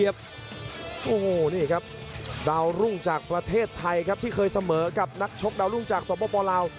โอ้โหนี่ครับดาวรุ่งจากประเทศไทยครับที่เคยเสมอกับนักชกดาวรุ่งจากสปลาว